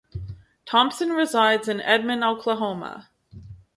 Thompson resides in Edmond, Oklahoma.